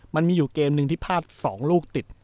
มันอยู่เกมนึงที่พัด๒ลูกติด